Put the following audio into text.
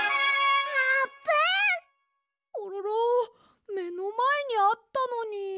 コロロめのまえにあったのに。